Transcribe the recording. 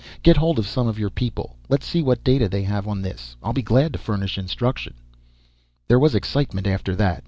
Get hold of some of your people. Let's see what data you have on this. I'll be glad to furnish instruction " There was excitement after that.